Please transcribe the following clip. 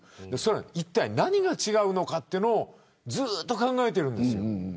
いったい何が違うのかというのをずっと考えているんです。